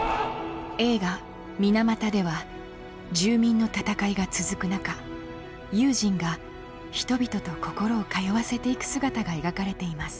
映画「ＭＩＮＡＭＡＴＡ」では住民の闘いが続く中ユージンが人々と心を通わせていく姿が描かれています。